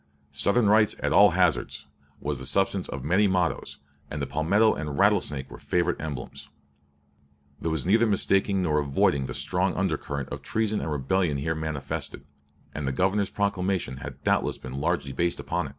"Southern rights at all hazards," was the substance of many mottoes, and the palmetto and the rattlesnake were favorite emblems. There was neither mistaking nor avoiding the strong undercurrent of treason and rebellion here manifested, and the Governor's proclamation had doubtless been largely based upon it.